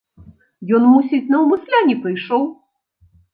Ён, мусіць, наўмысля не прыйшоў.